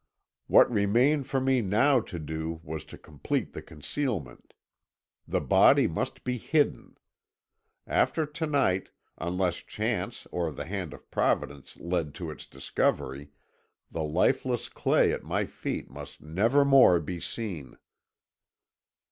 "What remained for me now to do was to complete the concealment. The body must be hidden. After to night unless chance or the hand of Providence led to its discovery the lifeless clay at my feet must never more be seen.